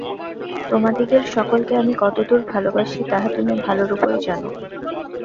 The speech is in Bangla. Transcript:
তোমাদিগের সকলকে আমি কতদূর ভালবাসি, তাহা তুমি ভালরূপই জান।